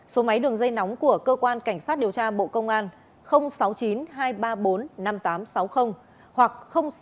số máy đường dây nóng của cơ quan cảnh sát điều tra bộ công an sáu mươi chín hai trăm ba mươi bốn năm nghìn tám trăm sáu mươi hoặc sáu mươi chín hai trăm ba mươi hai một nghìn sáu trăm bảy